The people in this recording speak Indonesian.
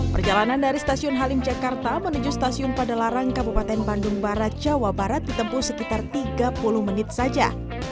perjalanan dari stasiun halim jakarta menuju stasiun padalarang kabupaten bandung barat jawa barat ditempuh sekitar tiga puluh menit saja